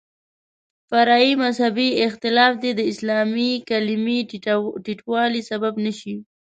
فرعي مذهبي اختلاف دې د اسلامي کلمې ټیټوالي سبب نه شي.